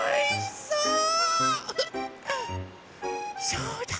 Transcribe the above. そうだ！